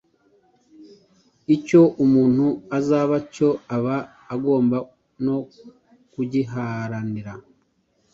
Icyo umuntu azaba cyo aba agomba no kugiharanira.